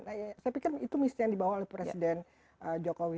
saya pikir itu misi yang dibawa oleh presiden jokowi